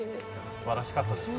素晴らしかったですよ。